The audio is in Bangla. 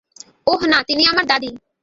ওহ, না, তিনি আমার দাদী।